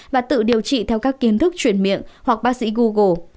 và tự điều trị theo các kiến thức chuyển miệng hoặc bác sĩ google